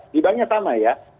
di banknya sama ya